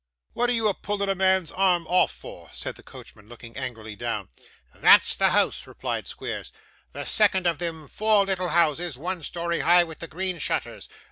'What are you pulling a man's arm off for?' said the coachman looking angrily down. 'That's the house,' replied Squeers. 'The second of them four little houses, one story high, with the green shutters.